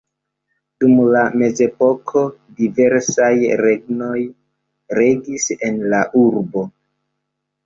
Dum la mezepoko diversaj regnoj regis en la urbo.